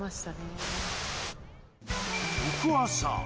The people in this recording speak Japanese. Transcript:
翌朝。